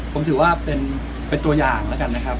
ผมถือว่าเป็นตัวอย่างแล้วกันนะครับ